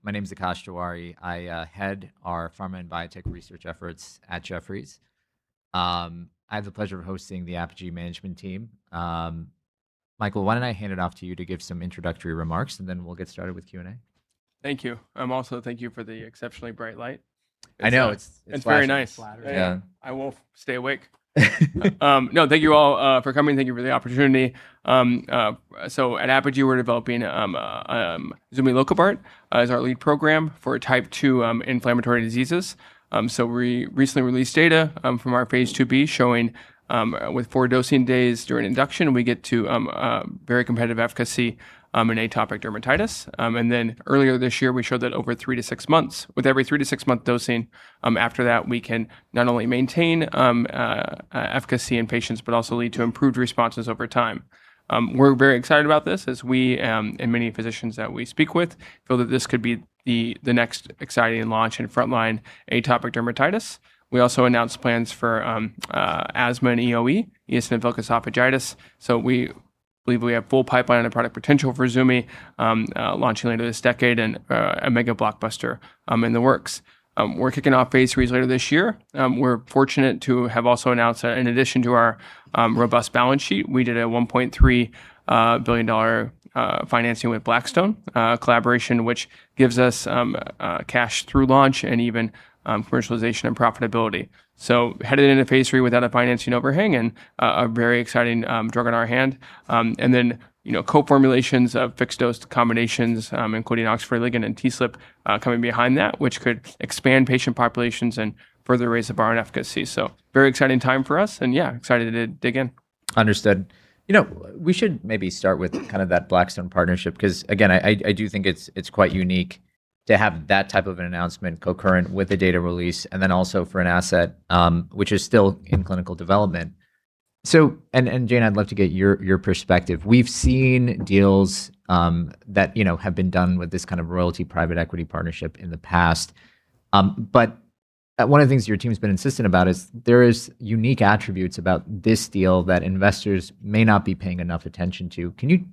Hi, my name's Akash Tewari. I head our pharma and biotech research efforts at Jefferies. I have the pleasure of hosting the Apogee management team. Michael, why don't I hand it off to you to give some introductory remarks, and then we'll get started with Q&A? Thank you. Also thank you for the exceptionally bright light. I know. It's flashy. It's very nice. Yeah. I won't stay awake. Thank you all for coming. Thank you for the opportunity. At Apogee, we're developing zumilokibart as our lead program for Type 2 inflammatory diseases. We recently released data from our phase II-B showing that with four dosing days during induction, we get to very competitive efficacy in atopic dermatitis. Earlier this year, we showed that with every three-six-month dosing, after that, we can not only maintain efficacy in patients but also lead to improved responses over time. We're very excited about this as we, and many physicians that we speak with, feel that this could be the next exciting launch in frontline atopic dermatitis. We also announced plans for asthma and EoE, eosinophilic esophagitis. We believe we have full pipeline and product potential for Zumi, launching later this decade, and a mega blockbuster in the works. We're kicking off phase III later this year. We're fortunate to have also announced, in addition to our robust balance sheet, that we did a $1.3 billion financing with Blackstone, a collaboration that gives us cash through launch and even commercialization and profitability. Headed into phase III without a financing overhang and a very exciting drug on our hands. Co-formulations of fixed-dose combinations, including OX40 ligand and TSLP coming behind that, could expand patient populations and further raise the bar on efficacy. Very exciting time for us. Yeah, excited to dig in. Understood. We should maybe start with that Blackstone partnership, because again, I do think it's quite unique to have that type of an announcement co-current with a data release, and then also for an asset that is still in clinical development. Jane, I'd love to get your perspective. We've seen deals that have been done with this kind of royalty private equity partnership in the past. One of the things your team's been insistent about is there are unique attributes about this deal that investors may not be paying enough attention to. Can you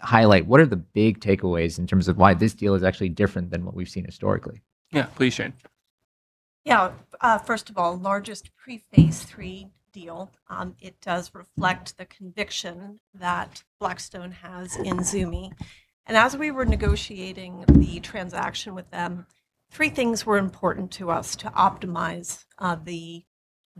highlight what are the big takeaways in terms of why this deal is actually different than what we've seen historically? Yeah. Please, Jane. Yeah. First of all, the largest pre-phase III deal. It does reflect the conviction that Blackstone has in Zumi. As we were negotiating the transaction with them, three things were important to us to optimize the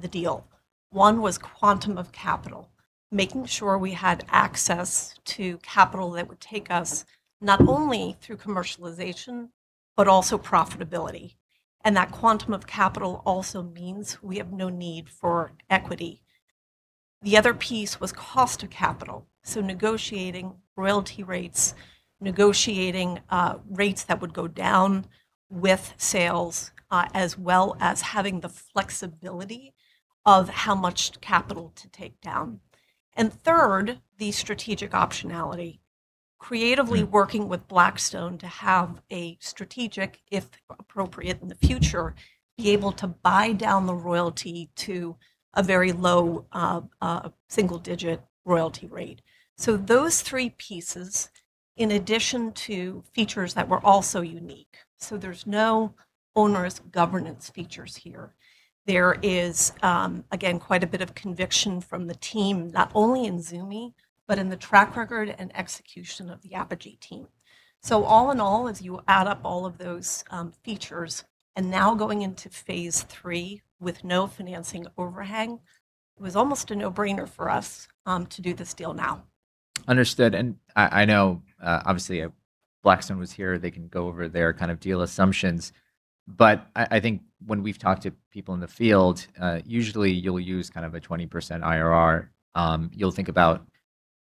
deal. One was the quantum of capital, making sure we had access to capital that would take us not only through commercialization but also profitability. That quantum of capital also means we have no need for equity. The other piece was the cost of capital, negotiating royalty rates, negotiating rates that would go down with sales, as well as having the flexibility of how much capital to take down. Third, the strategic optionality. Creatively working with Blackstone to have a strategic, if appropriate in the future, ability to buy down the royalty to a very low single-digit royalty rate. Those three pieces, in addition to features that were also unique. There are no onerous governance features here. There is, again, quite a bit of conviction from the team, not only in Zumi but also in the track record and execution of the Apogee team. All in all, as you add up all of those features and are now going into phase III with no financing overhang, it was almost a no-brainer for us to do this deal now. Understood. I know obviously Blackstone was here, they can go over their deal assumptions, but I think when we've talked to people in the field, usually you'll use a 20% IRR. You'll think about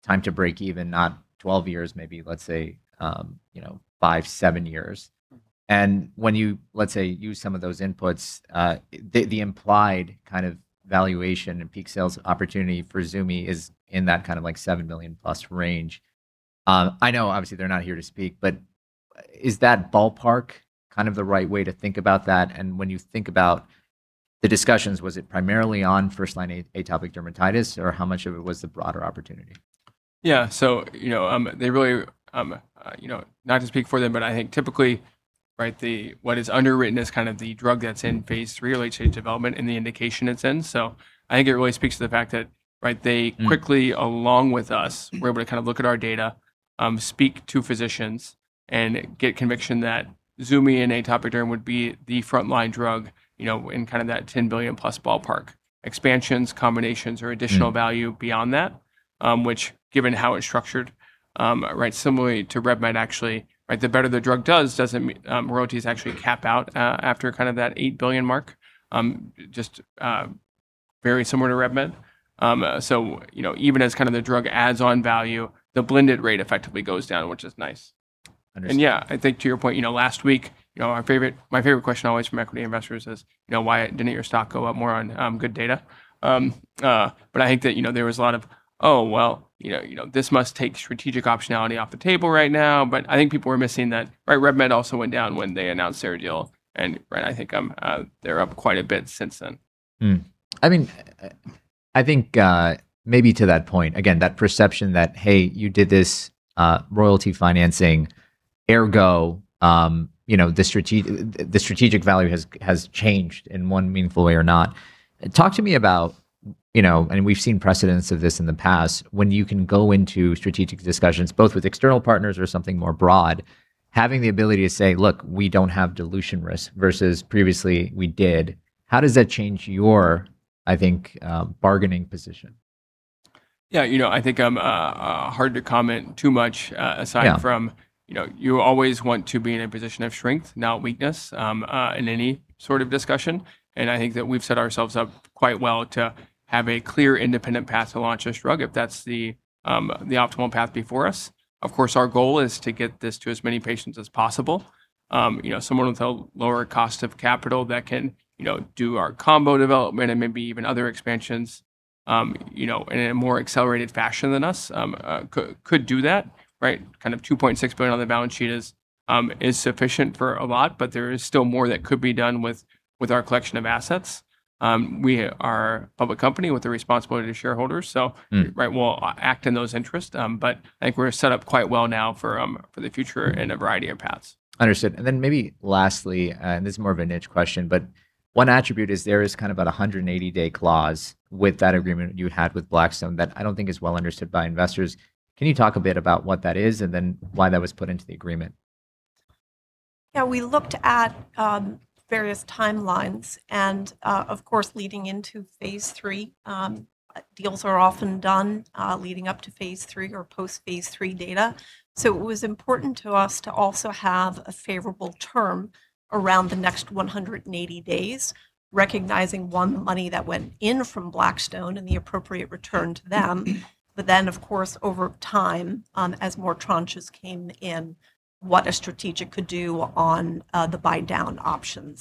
time to break even, not 12 years; maybe let's say five or seven years. When you, let's say, use some of those inputs, the implied valuation and peak sales opportunity for Zumi is in that $7 million+ range. I know, obviously, they're not here to speak. Is that ballpark the right way to think about that? When you think about the discussions, was it primarily on first-line atopic dermatitis, or how much of it was the broader opportunity? Not to speak for them, but I think typically, what is underwritten is the drug that's in phase III late-stage development in the indication it's in. I think it really speaks to the fact that they quickly, along with us, were able to look at our data, speak to physicians, and get conviction that Zumi and atopic derm would be the frontline drug in that $10 billion+ ballpark. Expansions, combinations, or additional value beyond that, which, given how it's structured, similarly to RevMed, actually, the better the drug does, royalties actually cap out after that $8 billion mark. Just very similar to RevMed. Even as the drug adds on value, the blended rate effectively goes down, which is nice. Understood. Yeah, I think to your point, last week, my favorite question always from equity investors is Why didn't your stock go up more on good data? I think that there was a lot of Oh, well, this must take strategic optionality off the table right now, but I think people were missing that RevMed also went down when they announced their deal, and I think they're up quite a bit since then. I mean, I think maybe to that point, again, that perception that, hey, you did this royalty financing, ergo the strategic value has changed in one meaningful way or not. We've seen precedents of this in the past, when you can go into strategic discussions, both with external partners or something more broad, having the ability to say, Look, we don't have dilution risk," versus previously we did. How does that change your, I think, bargaining position? I think I'm hard to comment on too much, aside from. Yeah You always want to be in a position of strength, not weakness, in any sort of discussion. I think that we've set ourselves up quite well to have a clear independent path to launch this drug if that's the optimal path before us. Of course, our goal is to get this to as many patients as possible. Someone with a lower cost of capital that can do our combo development and maybe even other expansions in a more accelerated fashion than us could do that. Right? $2.6 billion on the balance sheet is sufficient for a lot, but there is still more that could be done with our collection of assets. We are a public company with a responsibility to shareholders. we'll act in those interests. I think we're set up quite well now for the future in a variety of paths. Understood. Maybe lastly, and this is more of a niche question, but one attribute is there is kind of a 180-day clause with that agreement you had with Blackstone that I don't think is well understood by investors. Can you talk a bit about what that is and then why that was put into the agreement? Yeah. We looked at various timelines and, of course, leading into phase III. Deals are often done leading up to phase III or post-phase III data. It was important to us to also have a favorable term around the next 180 days, recognizing, one, the money that went in from Blackstone and the appropriate return to them. Of course, over time, as more tranches came in, a strategist could do on the buy-down option.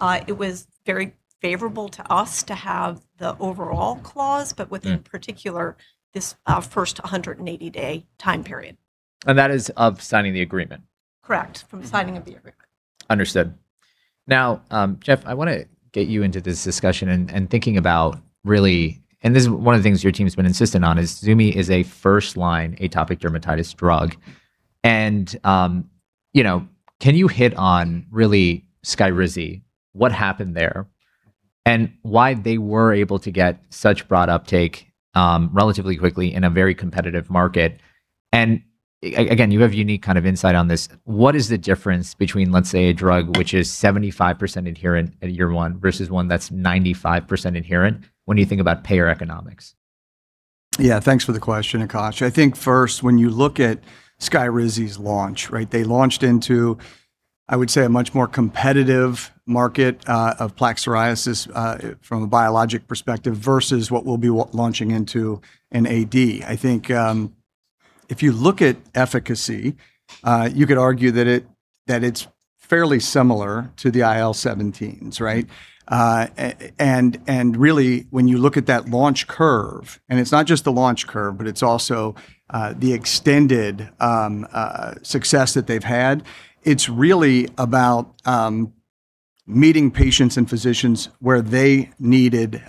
It was very favorable to us to have the overall clause, but in particular this first 180-day time period. That is, of signing the agreement? Correct. From signing of the agreement. Understood. Now, Jeff, I want to get you into this discussion and thinking about, really, this is one of the things your team's been insistent on, is Zumi is a first-line atopic dermatitis drug. Can you hit on really why SKYRIZI, what happened there, and why they were able to get such broad uptake relatively quickly in a very competitive market? Again, you have unique insight on this. What is the difference between, let's say, a drug that is 75% adherent at year one versus one that's 95% adherent when you think about payer economics? Thanks for the question, Akash. When you look at SKYRIZI's launch, they launched into, I would say, a much more competitive market of plaque psoriasis from a biologic perspective versus what we'll be launching into in AD. If you look at efficacy, you could argue that it's fairly similar to the IL-17s, right? When you look at that launch curve, and it's not just the launch curve, but it's also the extended success that they've had, it's really about meeting patients and physicians where they needed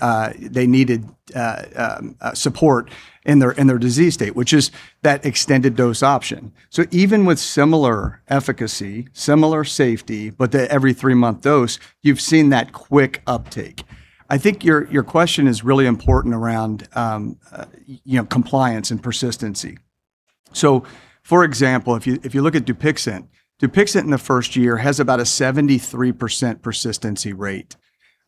support in their disease state, which is that extended dose option. Even with similar efficacy and similar safety, the every three-month dose, you've seen that quick uptake. Your question is really important around compliance and persistency. For example, Dupixent in the first year has about a 73% persistency rate.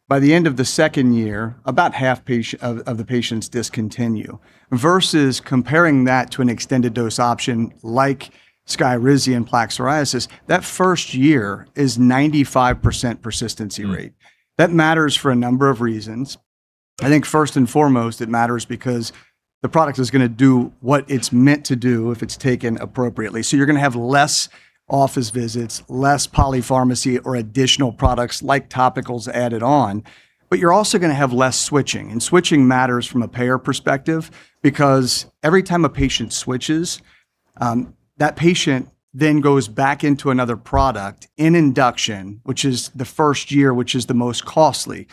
By the end of the second year, about half of the patients discontinue. Versus comparing that to an extended dose option like Skyrizi in plaque psoriasis, that first year is a 95% persistency rate. That matters for a number of reasons. I think first and foremost, it matters because the product is going to do what it's meant to do if it's taken appropriately. You're going to have less office visits, less polypharmacy, or additional products like topicals added on, but you're also going to have less switching. Switching matters from a payer perspective because every time a patient switches, that patient then goes back into another product in induction, which is the first year, which is the most costly.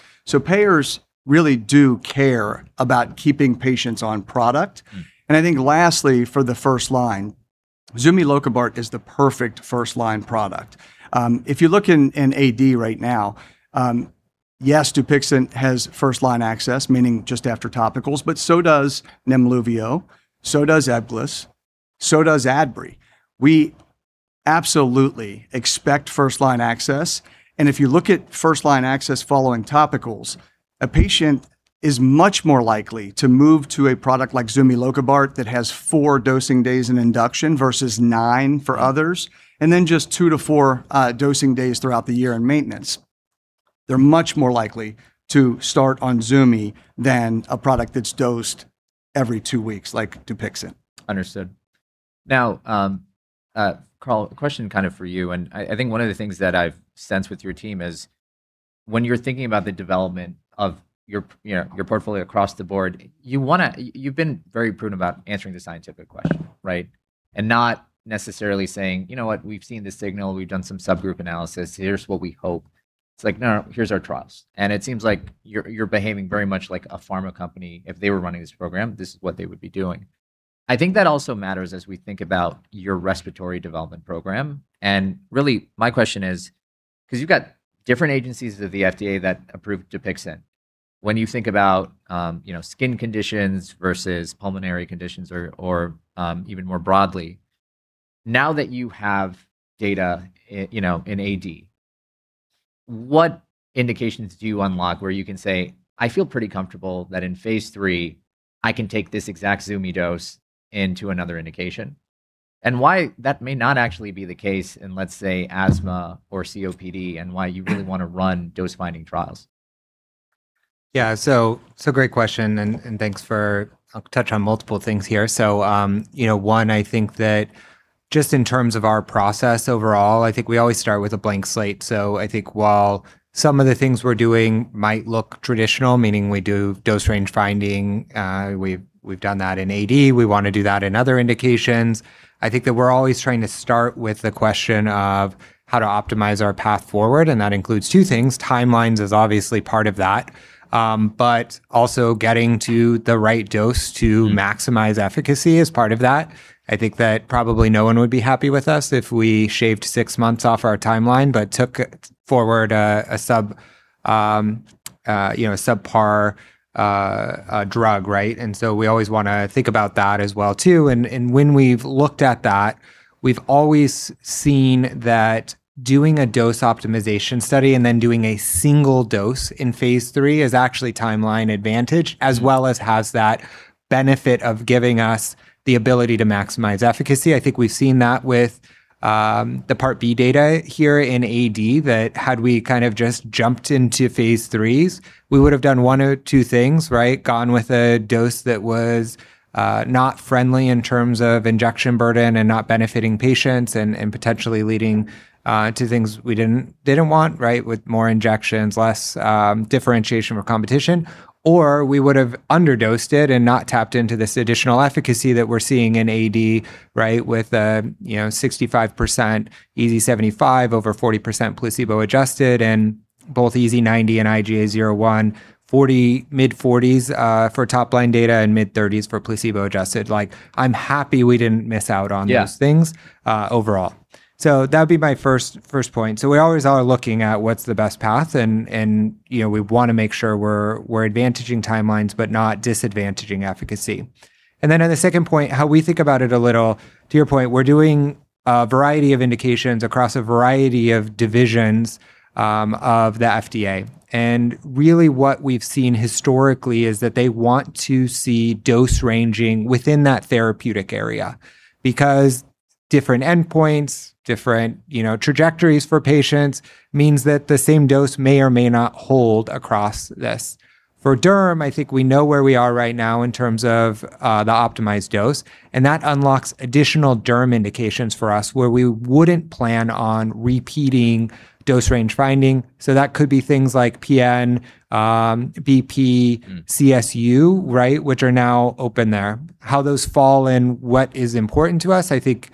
Payers really do care about keeping patients on product. I think lastly, for the first line, zumilokibart is the perfect first-line product. If you look in AD right now, yes, Dupixent has first-line access, meaning just after topicals, but so does NEMLUVIO, so does Ebglyss, so does ADBRY. We absolutely expect first-line access. If you look at first-line access following topicals, a patient is much more likely to move to a product like zumilokibart that has four dosing days in induction versus nine for others, and then just two to four dosing days throughout the year in maintenance. They're much more likely to start on Zumi than a product that's dosed every two weeks like Dupixent. Understood. Now, Carl, a question for you, and I think one of the things that I've sensed with your team is when you're thinking about the development of your portfolio across the board, you've been very prudent about answering the scientific question. Right. Not necessarily saying, You know what? We've seen this signal, we've done some subgroup analysis. Here's what we hope.It's like, No, here's our trials.It seems like you're behaving very much like a pharma company. If they were running this program, this is what they would be doing. I think that also matters as we think about your Respiratory Development Program. Really, my question is, because you've got different agencies of the FDA that approved Dupixent. When you think about skin conditions versus pulmonary conditions, or even more broadly, now that you have data in AD, what indications do you unlock where you can say I feel pretty comfortable that in phase III I can take this exact Zumi dose into another indication?" Why that may not actually be the case in, let's say, asthma or COPD, and why you really want to run dose-finding trials. Yeah. Great question. I'll touch on multiple things here. One, I think that just in terms of our process overall, I think we always start with a blank slate. I think while some of the things we're doing might look traditional, meaning we do dose range finding, we've done that in AD, and we want to do that in other indications. I think that we're always trying to start with the question of how to optimize our path forward, and that includes two things. Timelines is obviously part of that, but also getting to the right dose to maximize efficacy is part of that. I think that probably no one would be happy with us if we shaved six months off our timeline but took forward a subpar drug, right? We always want to think about that as well too. When we've looked at that, we've always seen that doing a dose optimization study and then doing a single dose in phase III is actually a timeline advantage, as well as having that benefit of giving us the ability to maximize efficacy. I think we've seen that with the Part B data here in AD, that had we just jumped into phase IIIs, we would've done one of two things, right? Gone with a dose that was not friendly in terms of injection burden and not benefiting patients and potentially leading to things we didn't want, right, with more injections, less differentiation or competition, or we would've underdosed it and not tapped into this additional efficacy that we're seeing in AD, right, with 65% EASI 75, over 40% placebo-adjusted, and both EASI 90 and IGA 0/1, mid-40s for top-line data and mid-30s for placebo-adjusted. I'm happy we didn't miss out on those things. Yeah overall. That would be my first point. We always are looking at what's the best path, and we want to make sure we're advantaging timelines, but not disadvantaging efficacy. On the second point, how we think about it a little, to your point, we're doing a variety of indications across a variety of divisions of the FDA. Really what we've seen historically is that they want to see dose ranging within that therapeutic area because different endpoints and different trajectories for patients mean that the same dose may or may not hold across this. For derm, I think we know where we are right now in terms of the optimized dose, and that unlocks additional derm indications for us where we wouldn't plan on repeating dose range finding. That could be things like PN, BP. CSU, right, which are now open there. How those fall and what is important to us, I think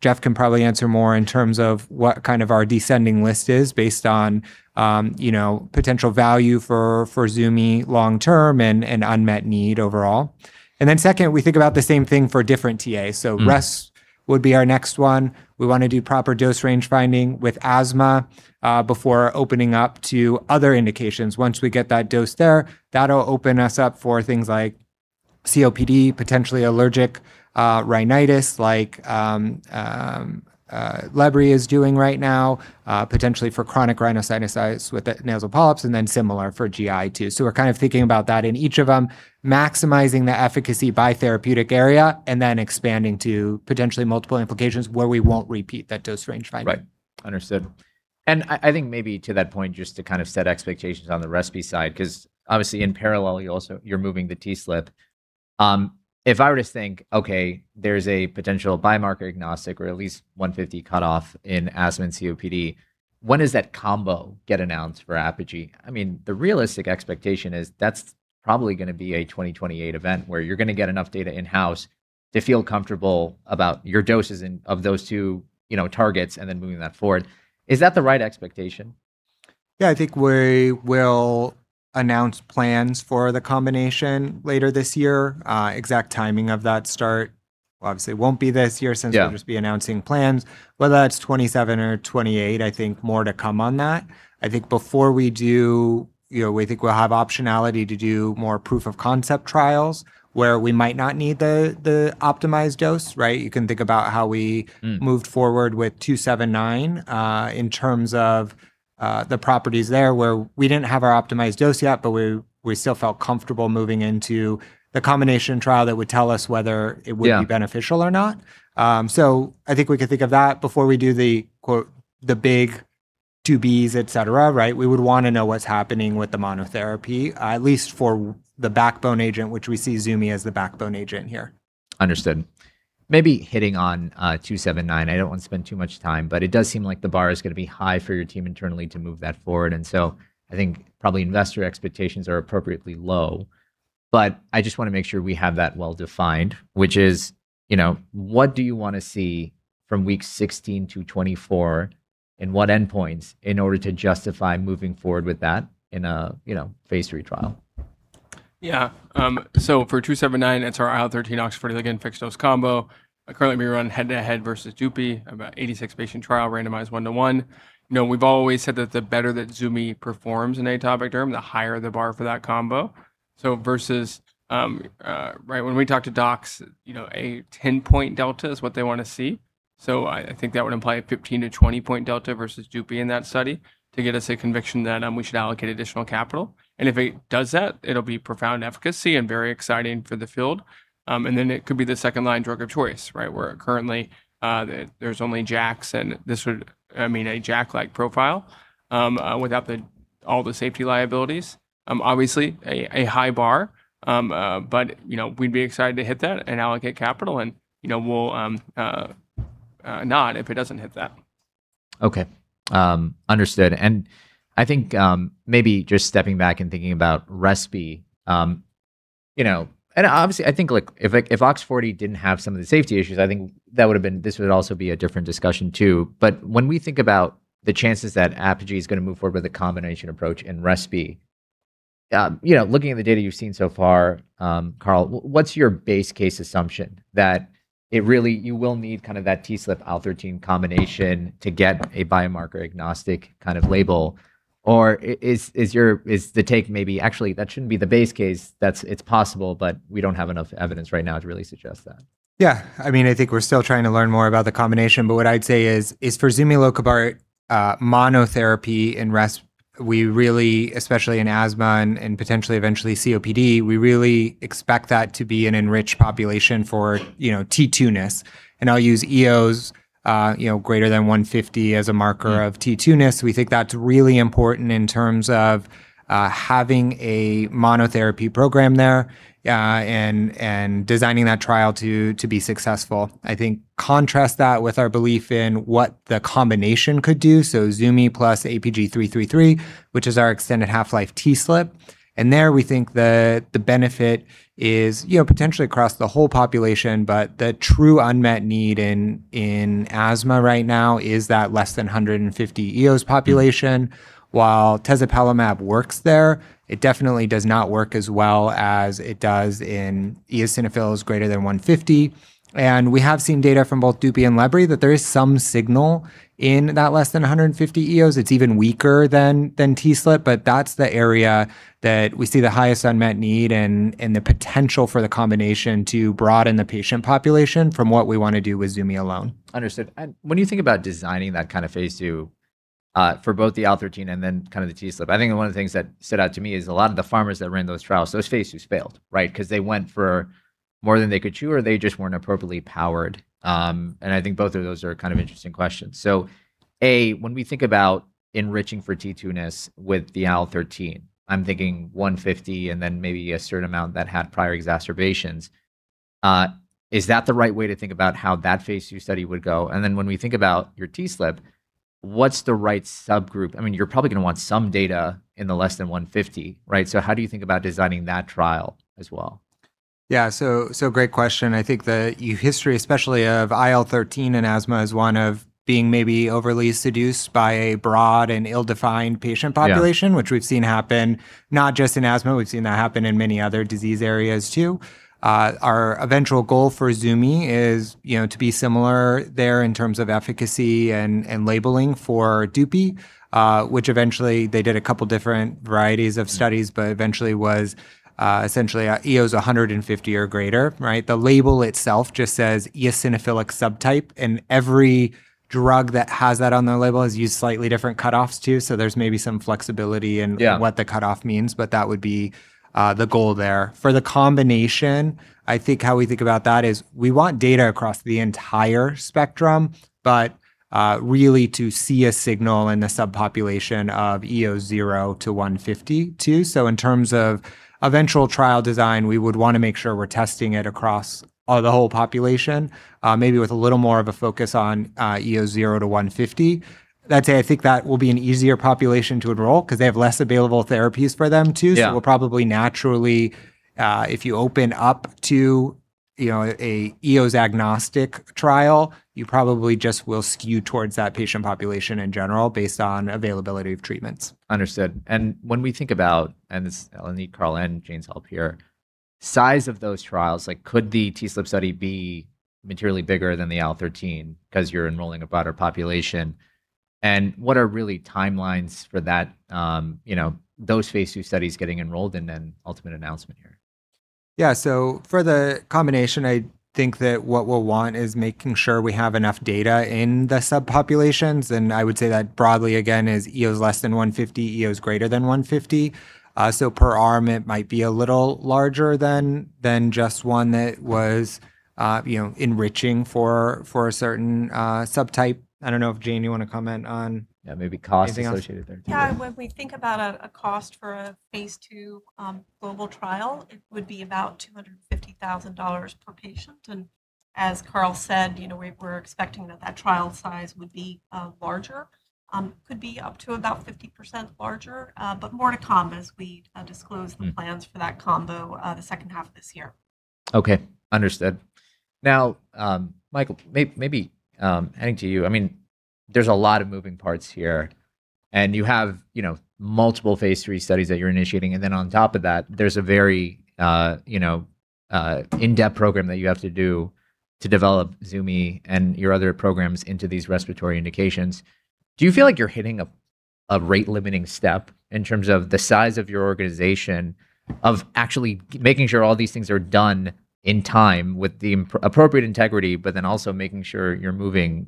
Jeff can probably answer more in terms of what our descending list is based on potential value for Zumi long term and unmet need overall. Second, we think about the same thing for a different TA. RESPI would be our next one. We want to do proper dose range finding with asthma before opening up to other indications. Once we get that dose there, that'll open us up for things like COPD, potentially allergic rhinitis like Librela is doing right now, potentially for chronic rhinosinusitis with nasal polyps, and then similar for GI too. We're thinking about that in each of them, maximizing the efficacy by therapeutic area and then expanding to potentially multiple indications where we won't repeat that dose range finding. Right. Understood. I think maybe to that point, just to set expectations on the RESPI side, because obviously in parallel you're moving the TSLP. If I were to think, okay, there's a potential biomarker agnostic or at least a 150 cutoff in asthma and COPD, when does that combo get announced for Apogee? The realistic expectation is that's probably going to be a 2028 event where you're going to get enough data in-house to feel comfortable about your doses of those two targets and then move that forward. Is that the right expectation? Yeah, I think we will announce plans for the combination later this year. Exact timing of that start, obviously it won't be this year since. Yeah we'll just be announcing plans. Whether that's 2027 or 2028, I think more is to come on that. I think before we do, we think we'll have the optionality to do more proof of concept trials where we might not need the optimized dose, right? You can think about how we moved forward with APG279 in terms of the properties there where we didn't have our optimized dose yet, but we still felt comfortable moving into the combination trial. Yeah be beneficial or not. I think we could think of that before we do the big phase II-Bs, et cetera, right? We would want to know what's happening with the monotherapy, at least for the backbone agent, which we see Zumi as the backbone agent here. Understood. Maybe hitting on APG279. I don't want to spend too much time, but it does seem like the bar is going to be high for your team internally to move that forward. I think probably investor expectations are appropriately low. I just want to make sure we have that well-defined, which is what do you want to see from weeks 16 -24, and what endpoints in order to justify moving forward with that in a phase III trial? For APG279, it's our IL-13 OX40 ligand fixed-dose combo. Currently being run head-to-head versus Dupixent, an about 86-patient trial, randomized one-to-one. We've always said that the better that Zumi performs in atopic derm, the higher the bar for that combo. Versus when we talk to docs, a 10-point delta is what they want to see. I think that would imply a 15-20-point delta versus Dupixent in that study to get us a conviction that we should allocate additional capital. If it does that, it'll be profound efficacy and very exciting for the field. It could be the second-line drug of choice, where currently there's only JAKs, and this would mean a JAK-like profile without all the safety liabilities. Obviously a high bar, we'd be excited to hit that and allocate capital, and we'll know if it doesn't hit that. Okay. Understood. I think maybe just stepping back and thinking about RESPI. Obviously, I think if OX40 didn't have some of the safety issues, I think this would also be a different discussion too. When we think about the chances that Apogee is going to move forward with a combination approach in RESPI, looking at the data you've seen so far, Carl, what's your base case assumption that you will need that TSLP IL-13 combination to get a biomarker agnostic kind of label? Is the take maybe actually that shouldn't be the base case, that it's possible, but we don't have enough evidence right now to really suggest that? I think we're still trying to learn more about the combination. What I'd say is for zumilokibart monotherapy in RESPI, especially in asthma and potentially eventually COPD, we really expect that to be an enriched population for T2-ness. I'll use Eos greater than 150 as a marker of T2-ness. We think that's really important in terms of having a monotherapy program there, and designing that trial to be successful. I think contrast that with our belief in what the combination could do, so Zumi plus APG333, which is our extended half-life TSLP. There we think the benefit is potentially across the whole population, the true unmet need in asthma right now is that less than 150 Eos population. While tezepelumab works there, it definitely does not work as well as it does in eosinophils greater than 150. We have seen data from both Dupixent and Ebglyss that there is some signal in that less than 150 Eos. It's even weaker than TSLP, but that's the area that we see the highest unmet need and the potential for the combination to broaden the patient population from what we want to do with Zumi alone. Understood. When you think about designing that kind of phase II for both the IL-13 and then the TSLP, I think one of the things that stood out to me is a lot of the pharmas that ran those trials, those phase IIs failed. They went for more than they could chew, or they just weren't appropriately powered. I think both of those are interesting questions. A, when we think about enriching for T2-ness with the IL-13, I'm thinking 150 and then maybe a certain amount that had prior exacerbations. Is that the right way to think about how that phase II study would go? When we think about your TSLP, what's the right subgroup? You're probably going to want some data in the less than 150, right? How do you think about designing that trial as well? Yeah. Great question. I think the history, especially of IL-13 and asthma, is one of being maybe overly seduced by a broad and ill-defined patient population. Yeah which we've seen happen not just in asthma, we've seen that happen in many other disease areas too. Our eventual goal for Zumi is to be similar there in terms of efficacy and labeling for Dupixent, which eventually they did a couple different varieties of studies, but eventually was essentially EOs 150 or greater. The label itself just says eosinophilic subtype. Every drug that has that on their label has used slightly different cutoffs too. There's maybe some flexibility. Yeah what the cutoff means. That would be the goal there. For the combination, I think how we think about that is we want data across the entire spectrum, but really to see a signal in the subpopulation of Eos zero to 150 too. In terms of eventual trial design, we would want to make sure we're testing it across the whole population, maybe with a little more of a focus on Eos zero to 150. I'd say I think that will be an easier population to enroll because they have less available therapies for them too. Yeah. We'll probably naturally, if you open up to an Eos agnostic trial, you probably just will skew towards that patient population in general based on availability of treatments. Understood. When we think about, and this I'll need Carl and Jane's help here, size of those trials, could the TSLP study be materially bigger than the IL-13 because you're enrolling a broader population? What are really timelines for those phase II studies getting enrolled and then ultimate announcement here? Yeah. For the combination, I think that what we'll want is making sure we have enough data in the subpopulations, and I would say that broadly again is Eos less than 150, Eos greater than 150. I don't know if Jane, you want to comment on anything else? Yeah, maybe cost associated there. Yeah. When we think about a cost for a phase II global trial, it would be about $250,000 per patient. As Carl said, we're expecting that that trial size would be larger. Could be up to about 50% larger. More to come as we disclose the plans for that combo the second half of this year. Okay. Understood. Michael, maybe heading to you. There's a lot of moving parts here. You have multiple phase III studies that you're initiating. On top of that, there's a very in-depth program that you have to do to develop Zumi and your other programs into these RESPI indications. Do you feel like you're hitting a rate-limiting step in terms of the size of your organization, of actually making sure all these things are done in time with the appropriate integrity, also making sure you're moving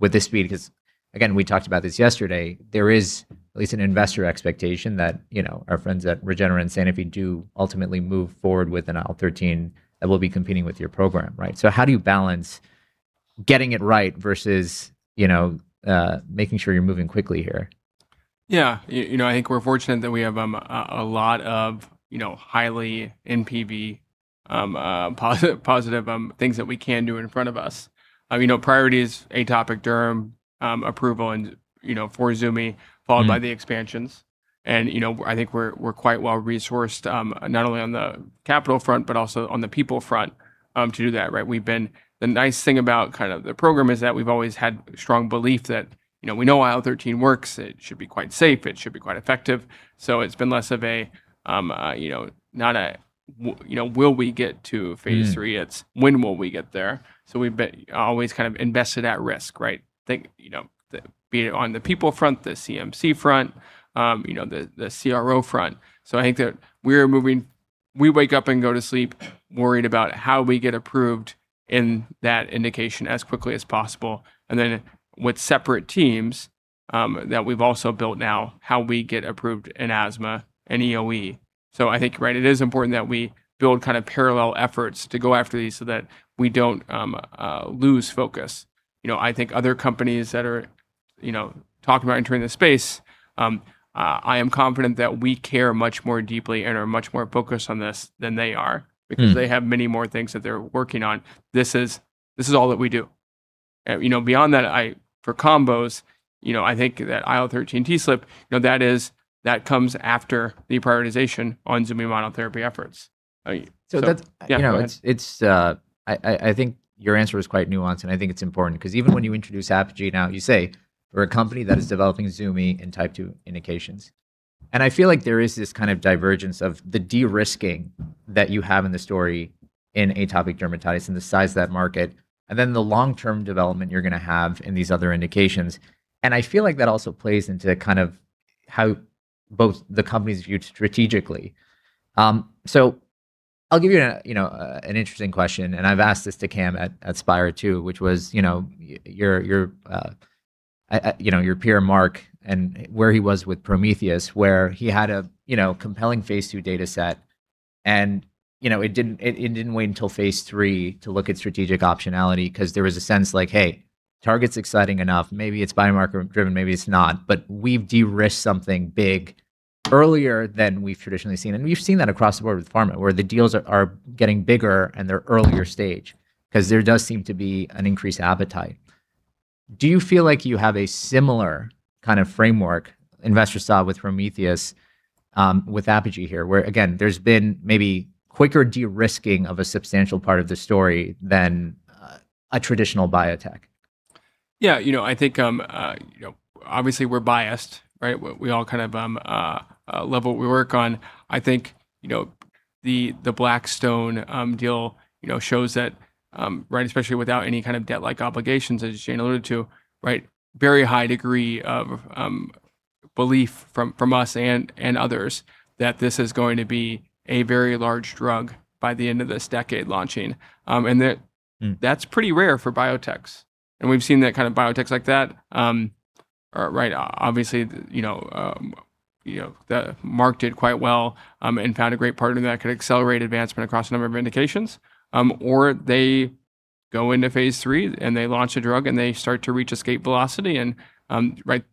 with this speed? Again, we talked about this yesterday, there is at least an investor expectation that our friends at Regeneron and Sanofi do ultimately move forward with an IL-13 that will be competing with your program. Right? How do you balance getting it right versus making sure you're moving quickly here? Yeah. I think we're fortunate that we have a lot of highly NPV positive things that we can do in front of us. Priorities: atopic derm approval for Zumi followed by the expansions. I think we're quite well-resourced, not only on the capital front but also on the people front to do that. Right? The nice thing about the program is that we've always had strong belief that we know IL-13 works. It should be quite safe, it should be quite effective. It's been less of a, not a will we get to phase III. It's when will we get there? We've always invested at risk, right? Think be it on the people front, the CMC front, the CRO front. I think that we wake up and go to sleep worried about how we get approved in that indication as quickly as possible, and then with separate teams that we've also built now, how we get approved in asthma and EoE. I think, right, it is important that we build parallel efforts to go after these so that we don't lose focus. I think other companies that are talking about entering the space, I am confident that we care much more deeply and are much more focused on this than they are because they have many more things that they're working on. This is all that we do. Beyond that, for combos, I think that IL-13 TSLP, that comes after the prioritization on Zumi monotherapy efforts. So that's- Yeah. Go ahead I think your answer is quite nuanced, and I think it's important because even when you introduce Apogee now, you say, "We're a company that is developing Zumi in Type 2 indications." I feel like there is this kind of divergence of the de-risking that you have in the story in atopic dermatitis and the size of that market, and then the long-term development you're going to have in these other indications. I feel like that also plays into how both the company's viewed strategically. I'll give you an interesting question, and I've asked this to Cam at Spyre too, which was your peer, Mark, and where he was with Prometheus, where he had a compelling phase II data set, and it didn't wait until phase III to look at strategic optionality because there was a sense like, hey, target's exciting enough. Maybe it's biomarker driven, maybe it's not, but we've de-risked something big earlier than we've traditionally seen. We've seen that across the board with pharma, where the deals are getting bigger and they're earlier stage, because there does seem to be an increased appetite. Do you feel like you have a similar kind of framework investors saw with Prometheus with Apogee here, where again, there's been maybe quicker de-risking of a substantial part of the story than a traditional biotech? I think, obviously we're biased, right? We all love what we work on. I think the Blackstone deal shows that, right, especially without any kind of debt-like obligations, as Jane alluded to. Right? Very high degree of belief from us and others that this is going to be a very large drug by the end of this decade launching. That's pretty rare for biotechs. We've seen biotechs like that are, right, obviously that marked it quite well, and found a great partner that could accelerate advancement across a number of indications. They go into phase III and they launch a drug, and they start to reach escape velocity, and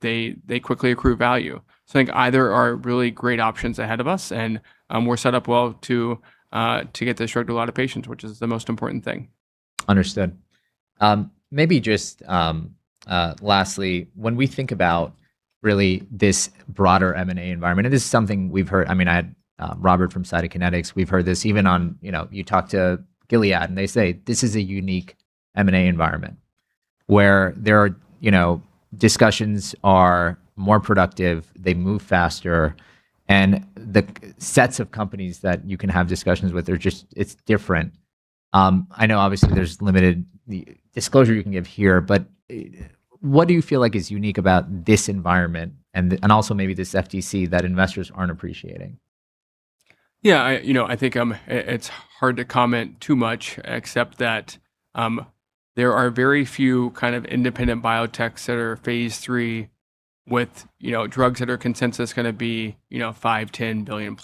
they quickly accrue value. I think either are really great options ahead of us, and we're set up well to get this drug to a lot of patients, which is the most important thing. Understood. Maybe just lastly, when we think about really this broader M&A environment, it is something we've heard. I had Robert from Cytokinetics, we've heard this even. You talk to Gilead; they say, This is a unique M&A environment where discussions are more productive, they move faster, and the sets of companies that you can have discussions with are just different." I know obviously there's limited disclosure you can give here. What do you feel like is unique about this environment and also maybe this FTC that investors aren't appreciating? Yeah. I think it's hard to comment too much except that there are very few kind of independent biotechs that are phase III with drugs that are consensus going to be $5 billion, $10 billion+.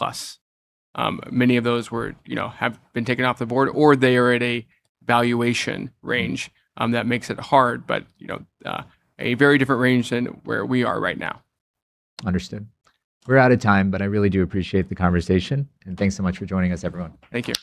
Many of those have been taken off the board, or they are at a valuation range that makes it hard, but a very different range than where we are right now. Understood. We're out of time, but I really do appreciate the conversation, and thanks so much for joining us, everyone. Thank you.